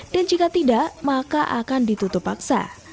dan jika tidak maka akan ditutup paksa